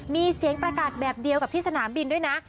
มีเสียงประกาศแบบเดียวกับที่สนามบินด้วยนะ